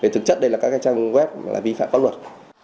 thực chất đây là các trang web là vi phạm pháp luật